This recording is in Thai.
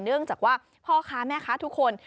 เนื่องจากว่าพ่อค้าแม่ค้าทุกคน